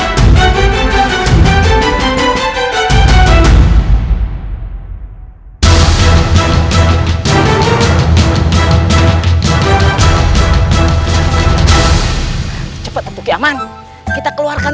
di depan tidak ada kesempatan